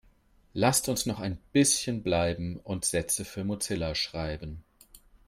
Lasst uns noch ein bisschen bleiben und Sätze für Mozilla schreiben.